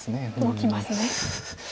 動きますね。